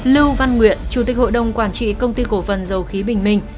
lưu văn nguyện chủ tịch hội đồng quản trị công ty cổ phần dầu khí bình minh